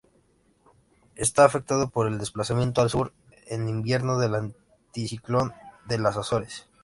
Está afectado por el desplazamiento al sur en invierno del anticiclón de las Azores.